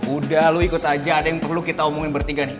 udah lu ikut aja ada yang perlu kita omongin bertiga nih